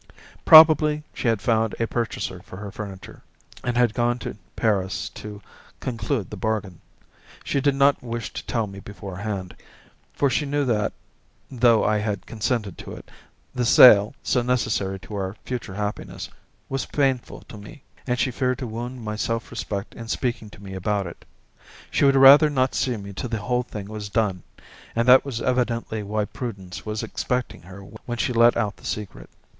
Probably she had found a purchaser for her furniture, and she had gone to Paris to conclude the bargain. She did not wish to tell me beforehand, for she knew that, though I had consented to it, the sale, so necessary to our future happiness, was painful to me, and she feared to wound my self respect in speaking to me about it. She would rather not see me till the whole thing was done, and that was evidently why Prudence was expecting her when she let out the secret.